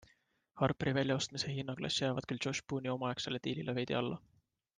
Harperi väljaostmise hinnaklass jäävat küll Josh Boone'i omaaegsele diilile veidi alla.